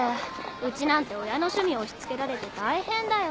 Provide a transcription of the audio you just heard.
うちなんて親の趣味押し付けられて大変だよ。